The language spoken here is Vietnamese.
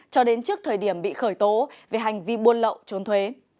cho đến trước thời điểm bị khởi tố về hành vi buôn lậu trốn thuế